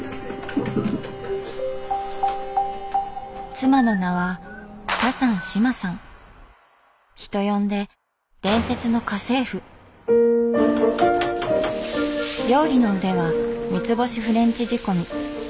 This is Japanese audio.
妻の名は人呼んで料理の腕は三つ星フレンチ仕込み。